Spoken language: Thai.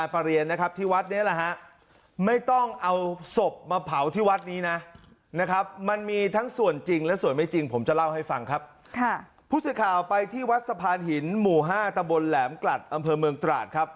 พูดสุดข่าวไปที่วัดสะพานหินหมู่ห้าตะบนแหลมกัดอำเภอเมืองตราช